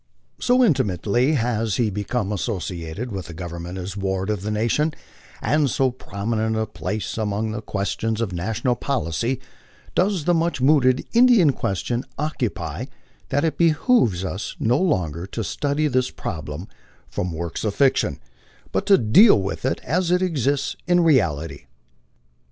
So inti mately has he become associated with the Government as ward of the nation, and so prominent a place among the questions of national policy does the much mooted "Indian question" occupy, that it behooves us no longer to study this problem from works of fiction, but to deal with it as it exists in reality.